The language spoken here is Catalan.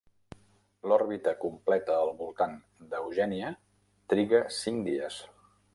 L'òrbita completa al voltant d'Eugenia triga cinc dies.